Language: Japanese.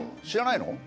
知らないの？